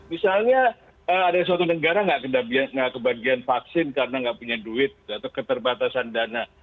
misalnya ada suatu negara nggak kebagian vaksin karena nggak punya duit atau keterbatasan dana